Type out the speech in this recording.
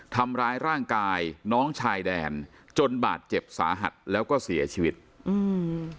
ทำร้ายร่างกายน้องชายแดนจนบาดเจ็บสาหัสแล้วก็เสียชีวิตอืม